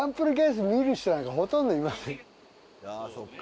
「ああそっか」